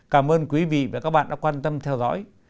cảm ơn quý vị và các bạn đã quan tâm theo dõi